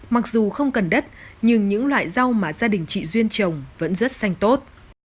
mặc dù không cần đất nhưng những loại rau mà gia đình chị duyên trồng vẫn rất xanh tốt